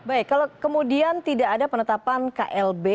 baik kalau kemudian tidak ada penetapan klb